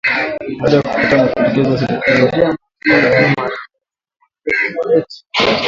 baada ya kukataa mapendekezo ya Serikali ya kuongeza mishahara yao mara mbili zaidi